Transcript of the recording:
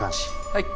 はい。